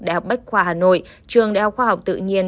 đại học bách khoa hà nội trường đại học khoa học tự nhiên